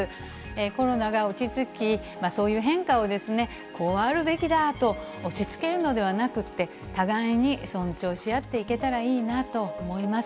コロナが落ち着き、そういう変化を、こうあるべきだと押しつけるのではなくて、互いに尊重し合っていけたらいいなと思います。